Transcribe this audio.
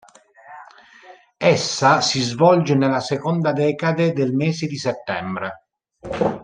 Essa si svolge nella seconda decade del mese di settembre.